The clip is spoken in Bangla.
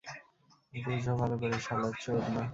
বুঝ ভালো করে, শাল চোদনা?